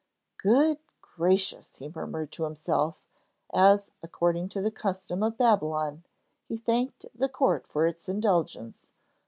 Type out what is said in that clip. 'Good gracious!' he murmured to himself as, according to the custom of Babylon, he thanked the court for its indulgence.